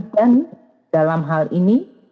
dan dalam hal ini